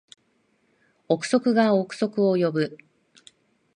憶測が憶測を呼ぶ